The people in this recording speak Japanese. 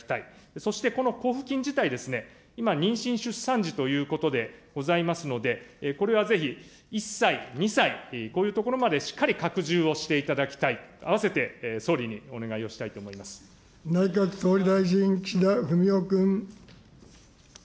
そしてこの交付金自体、今、妊娠・出産時ということでございますので、これはぜひ、１歳、２歳、こういうところまでしっかり拡充をしていただきたい、併せて総理内閣総理大臣、岸田文雄君。